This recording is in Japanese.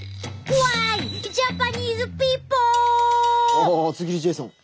ああ厚切りジェイソン。